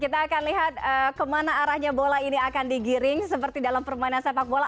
kita akan lihat kemana arahnya bola ini akan digiring seperti dalam permainan sepak bola